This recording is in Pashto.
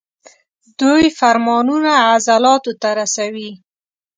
دوی فرمانونه عضلاتو ته رسوي.